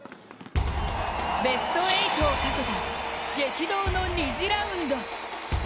ベスト８をかけた激動の２次ラウンド。